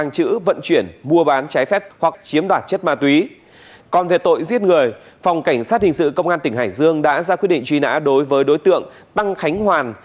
cảnh sát hình sự công an tỉnh hải dương đã ra quyết định truy nã đối với đối tượng tăng khánh hoàn